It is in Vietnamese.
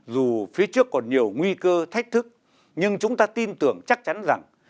dù phía trước còn nhiều nguy cơ thách thức nhưng chúng ta tin tưởng chắc chắn rằng